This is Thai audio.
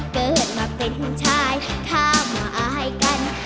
เกิดมาเป็นชายข้ามมาอายกัน